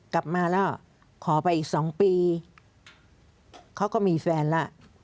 กลับมาแล้วขอไปอีก๒ปีเขาก็มีแฟนแล้ว